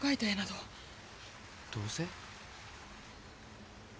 どうせ？